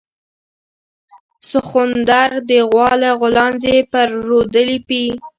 سخوندر د غوا له غولانځې پی رودلي دي